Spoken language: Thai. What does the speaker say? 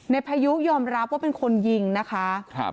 พายุยอมรับว่าเป็นคนยิงนะคะ